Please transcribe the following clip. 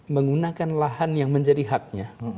menggunakan lahan yang menjadi haknya